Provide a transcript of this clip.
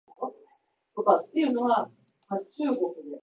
今、しぬよぉ